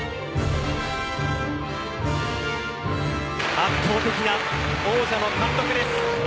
圧倒的な王者の貫禄です。